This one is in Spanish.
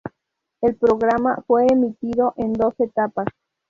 El programa fue emitido en dos etapas.